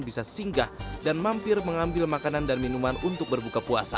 bisa singgah dan mampir mengambil makanan dan minuman untuk berbuka puasa